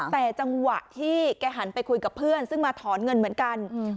แต่จังหวะที่แกหันไปคุยกับเพื่อนซึ่งมาถอนเงินเหมือนกัน